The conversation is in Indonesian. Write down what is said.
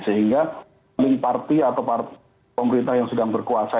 sehingga link party atau pemerintah yang sedang berkuasa